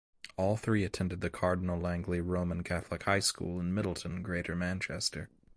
All three attended the Cardinal Langley Roman Catholic High School in Middleton, Greater Manchester.